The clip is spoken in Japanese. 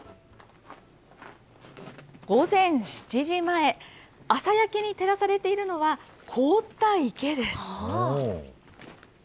午前７時前、朝焼けに照らされているのは、凍った池です。